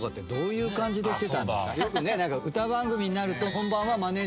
「よくね歌番組になると」